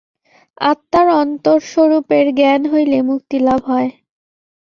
আত্মার অন্তরস্বরূপের জ্ঞান হইলে মুক্তিলাভ হয়।